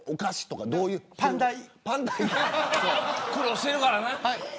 苦労してるからな。